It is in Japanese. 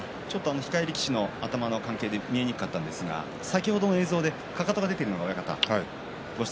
控え力士の頭の関係で見えにくかったんですが先ほど、映像でかかとが出ていることを、親方ご指摘